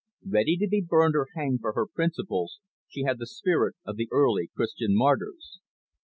Ready to be burned or hanged for her principles, she had the spirit of the early Christian martyrs.